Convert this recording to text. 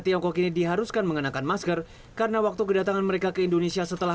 tiongkok ini diharuskan mengenakan masker karena waktu kedatangan mereka ke indonesia setelah